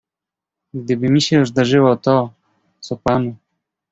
"Gdyby mi się zdarzyło to, co panu."